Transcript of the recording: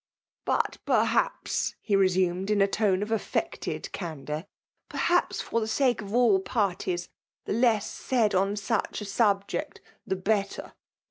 '' But« perhaps^" he retmned, in a tone of affected candour, ''pcEhaps^ for the sake of all parties, the less said on sudi a subject, the better."